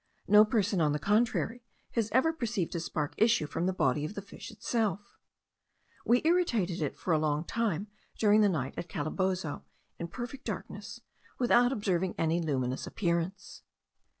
No person, on the contrary, has ever perceived a spark issue from the body of the fish itself. We irritated it for a long time during the night, at Calabozo, in perfect darkness, without observing any luminous appearance.